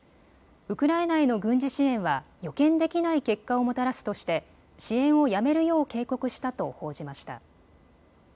ウクライナへの軍事支援は予見できない結果をもたらすとして支援をやめるよう警告したと報じました。